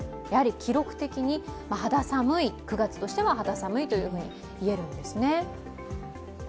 記録的に９月としては肌寒いと言えるんですね。